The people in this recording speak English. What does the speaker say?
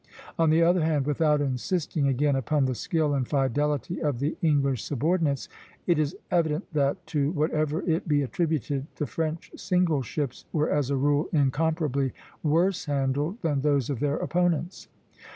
On the other hand, without insisting again upon the skill and fidelity of the English subordinates, it is evident that, to whatever it be attributed, the French single ships were as a rule incomparably worse handled than those of their opponents.